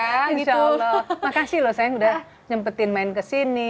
masya allah makasih loh sayang udah nyempetin main ke sini